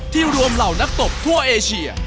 รวมเหล่านักตบทั่วเอเชีย